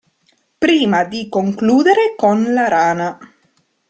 Prima di concludere con la rana.